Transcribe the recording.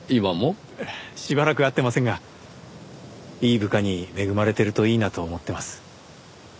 しばらく会ってませんがいい部下に恵まれてるといいなと思ってます。